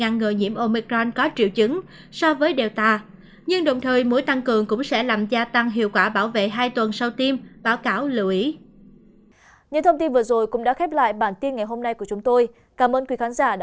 nhưng đồng thời mũi tăng cường cũng sẽ làm gia tăng hiệu quả bảo vệ hai tuần sau tiêm báo cáo lưu ý